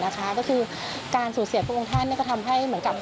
ก็คือการสูญเสียพระองค์ท่านก็ทำให้เหมือนกับ